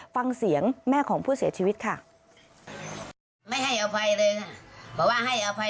ฟังเสียงแม่ของผู้เสียชีวิตค่ะ